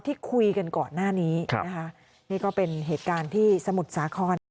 ที่คุยกันก่อนหน้านี้นะคะนี่ก็เป็นเหตุการณ์ที่สมุทรสาครนะคะ